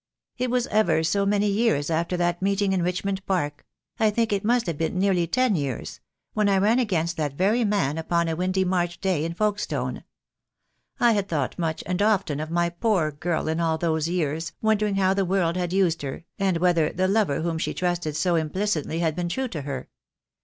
"It was ever so many years after that meeting in Richmond Park — I think it must have been nearly ten years — when I ran against that very man upon a windy March day in Folkestone. I had thought much and often of my poor girl in all those years, wondering how the world had used her, and whether the lover whom she trusted so implicitly had been true to her.